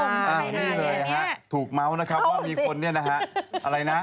นี่เลยนะฮะถูกเมาส์นะครับว่ามีคนเนี่ยนะฮะอะไรนะ